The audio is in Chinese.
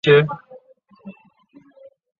西北大学政治经济学专业毕业。